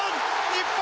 日本